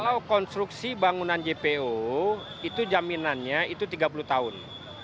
kalau konstruksi bangunan jpo itu jaminannya itu tiga puluh tahun